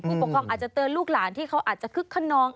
ผู้ปกครองอาจจะเตือนลูกหลานที่เขาอาจจะคึกขนอง